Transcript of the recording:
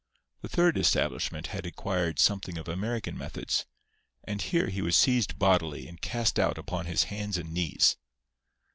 The third establishment had acquired something of American methods; and here he was seized bodily and cast out upon his hands and knees.